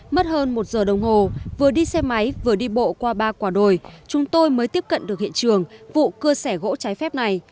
mất hơn một giờ đồng hồ vừa đi xe máy vừa đi bộ qua ba quả đồi chúng tôi mới tiếp cận được hiện trường vụ cưa sẻ gỗ trái phép này